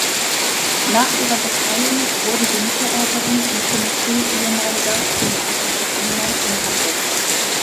Nach ihrer Befreiung wurde sie Mitarbeiterin im „Komitee ehemaliger politischer Gefangener“ in Hamburg.